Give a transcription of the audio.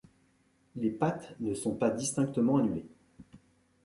Les pattes ne sont pas distinctement annulées.